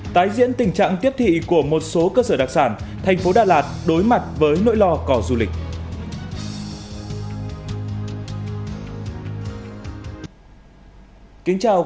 tái diễn tình trạng tiếp thị của một số cơ sở đặc sản thành phố đà lạt đối mặt với nỗi lo cò du lịch